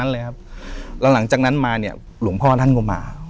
แล้วหลังจากนั้นมาเนี่ยหลวงพ่อท่านก็มา